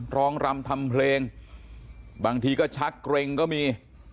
รำทำเพลงบางทีก็ชักเกร็งก็มี